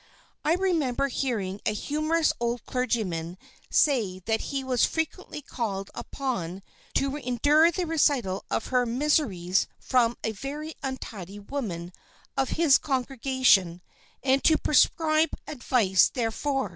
I remember hearing a humorous old clergyman say that he was frequently called upon to endure the recital of her miseries from a very untidy woman of his congregation and to prescribe advice therefor.